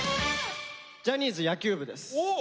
「ジャニーズ野球部」です。